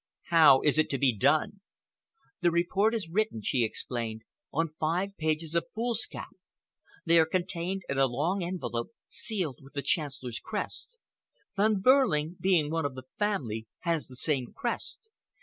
"How is it to be done?" "The report is written," she explained, "on five pages of foolscap. They are contained in a long envelope, scaled with the Chancellor's crest. Von Behrling, being one of the family, has the same crest.